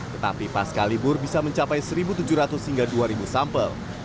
tetapi pas kalibur bisa mencapai satu tujuh ratus hingga dua sampel